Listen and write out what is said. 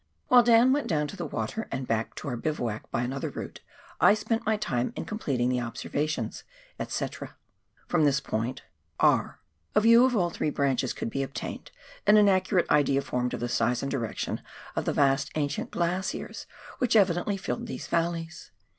While Dan went down to the water and back to our bivouac by another route, I spent my time in com pleting the observations, &c. From this point (E,.) a view of all three branches could be obtained, and an accurate idea formed of the size and direction of the vast ancient glaciers which evidently filled these valleys.